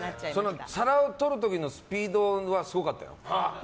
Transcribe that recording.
皿をとる時のスピードがすごかったよ。